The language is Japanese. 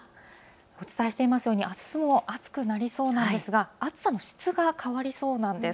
お伝えしていますように、あすも暑くなりそうなんですが暑さの質が変わりそうなんです。